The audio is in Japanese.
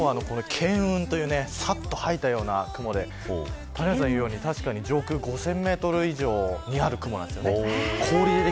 今日は巻雲というさっとはいたような雲で谷原さんの言うように上空５０００メートル以上にある雲なんですよね。